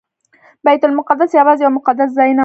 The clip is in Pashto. بیت المقدس یوازې یو مقدس ځای نه.